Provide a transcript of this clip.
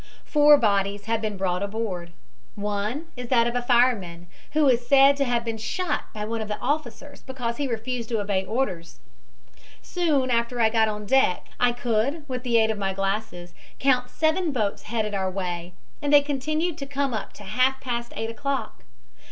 Four bodies have been brought aboard. One is that of a fireman, who is said to have been shot by one of the officers because he refused to obey orders. Soon after I got on deck I could, with the aid of my glasses, count seven boats headed our way, and they continued to come up to half past eight o'clock.